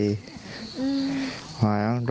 ตื่นเช้ามาจะโดนเรื่องอะไร